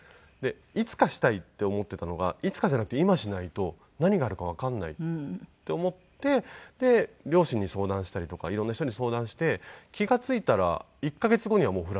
いつかしたいって思っていたのがいつかじゃなくて今しないと何があるかわかんないって思って両親に相談したりとか色んな人に相談して気が付いたら１カ月後にはもうフランスに。